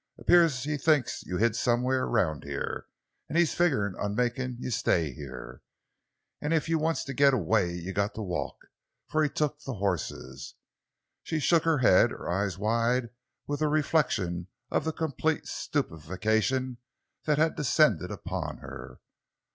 'Pears he thinks you is hid somewhares around heah, an' he's figgerin' on makin' you stay heah. An' if you wants to git away, you's got to walk, for he's took the hosses!" She shook her head, her eyes wide with a reflection of the complete stupefaction that had descended upon her.